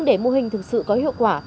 để mô hình thực sự có hiệu quả